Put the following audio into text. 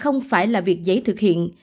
không phải là việc giấy thực hiện